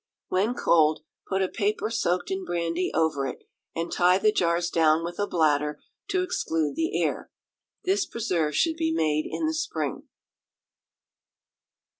When cold, put a paper soaked in brandy over it, and tie the jars down with a bladder to exclude the air. This preserve should be made in the spring.